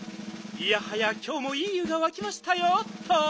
いやはやきょうもいい湯がわきましたよっと。